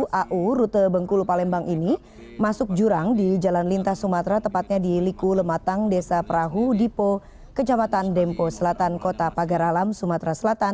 sebelumnya sebuah bus sriwijaya dengan rute bengkulu parambang masuk jurang di jalan lintas sumaterarayagan liku lematang desa perahu dipo kecamatan dempo selatan kota pagar alam sumatera selatan